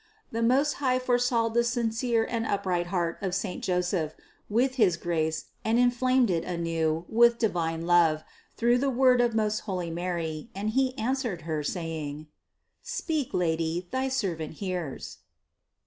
The Most High forestalled the sincere and upright heart of saint Jo seph with his grace and inflamed it anew with divine love through the word of most holy Mary, and he an swered Her, saying: "Speak, Lady, thy servant hears."